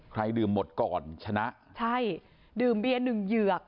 ใครดื่มหมดก่อนชนะใช่ดื่มเบียร์หนึ่งเหยือก